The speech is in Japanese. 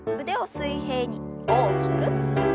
腕を水平に大きく。